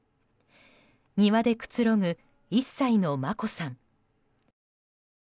庭でくつろぐ、１歳の眞子さん。